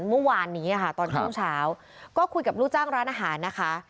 เมื่อวานนี้ค่ะตอนช่วงเช้าก็คุยกับลูกจ้างร้านอาหารนะคะ